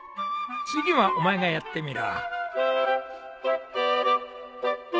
次はお前がやってみろ。